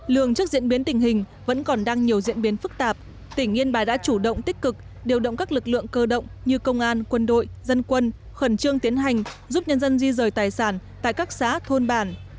lường trước diễn biến tình hình vẫn còn đang nhiều diễn biến phức tạp tỉnh yên bài đã chủ động tích cực điều động các lực lượng cơ động như công an quân đội dân quân khẩn trương tiến hành giúp nhân dân di rời tài sản tại các xã thôn bản